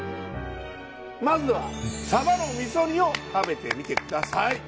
まずはサバの味噌煮を食べてみてください。